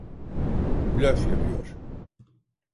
Blöf yapıyor.